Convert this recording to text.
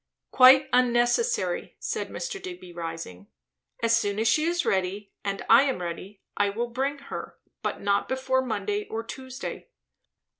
"Quite unnecessary," said Mr. Digby rising. "As soon as she is ready, and I am ready, I will bring her; but not before Monday or Tuesday."